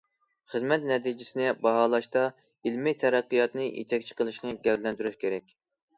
خىزمەت نەتىجىسىنى باھالاشتا ئىلمىي تەرەققىياتنى يېتەكچى قىلىشنى گەۋدىلەندۈرۈش كېرەك.